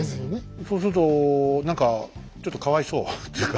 そうすると何かちょっとかわいそうというか。